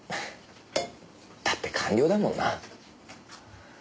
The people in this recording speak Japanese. だって官僚だもんな。